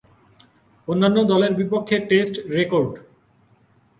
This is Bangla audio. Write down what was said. অন্যান্য দলের বিপক্ষে টেস্ট রেকর্ড